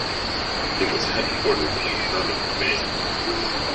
It was headquartered in Hermon, Maine.